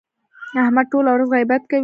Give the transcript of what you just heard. احمد ټوله ورځ غیبت کوي.